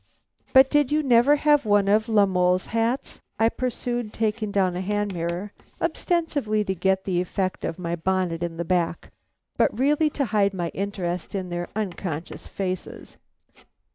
"But did you never have one of La Mole's hats?" I pursued, taking down a hand mirror, ostensibly to get the effect of my bonnet in the back, but really to hide my interest in their unconscious faces.